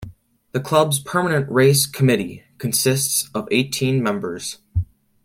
The club's Permanent Race Committee consists of eighteen members.